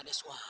tidak ada suara